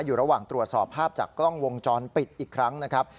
อยู่ระหว่างตรวจสอบภาพจากกล้องวงจรปิดอีกครั้งนะครับ